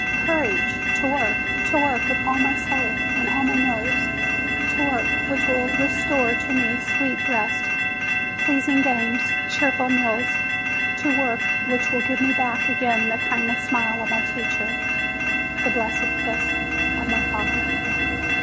Courage ! to work ! To work with all my soul, and all my nerves! To work, which will restore to me sweet rest, pleasing games, cheerful meals ! To work, which will give me back again the kindly smile of my teacher, the blessed kiss of my father